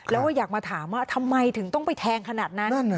แล้วก็อยากมาถามว่าทำไมถึงต้องไปแทงขนาดนั้น